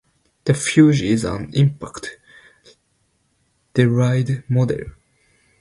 The fuze is an impact-delayed model.